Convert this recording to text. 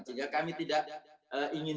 sehingga kami tidak ingin